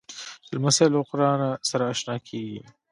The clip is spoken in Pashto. لمسی له قرآنه سره اشنا کېږي.